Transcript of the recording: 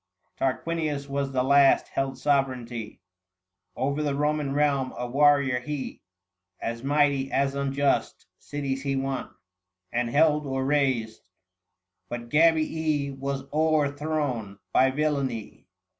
Tarquinius was the last held sovereignty Over the Roman realm : a warrior lie 735 As mighty as unjust : cities he won, And held or rased ; but Gabii was o'erthrown By villany.